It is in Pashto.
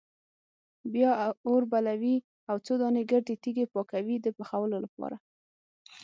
بیا اور بلوي او څو دانې ګردې تیږې پاکوي د پخولو لپاره.